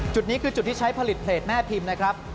จุดนี้คือจุดที่ใช้ผลิตเพจแม่พิมพ์นะครับ